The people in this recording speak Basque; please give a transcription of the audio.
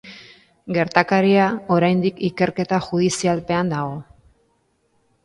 Gertakaria oraindik ikerketa judizialpean dago.